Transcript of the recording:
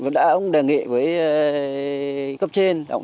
vẫn đã đề nghệ với cấp trên